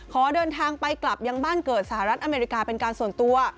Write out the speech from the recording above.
ขอเดินทางไปกลับยังบ้านเกิดสหรัฐอเมริกาเป็นการส่วนตัว